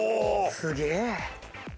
すげえ！